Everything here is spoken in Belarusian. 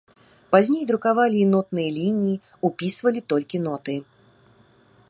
Пазней друкавалі і нотныя лініі, упісвалі толькі ноты.